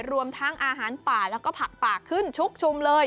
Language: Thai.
รวมทั้งอาหารป่าแล้วก็ผักป่าขึ้นชุกชุมเลย